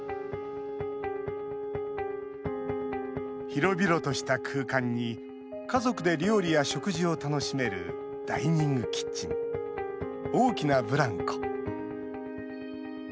広々とした空間に家族で料理や食事を楽しめるダイニングキッチン大きなブランコ。